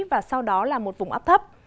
và sau đó là một vùng ấp thấp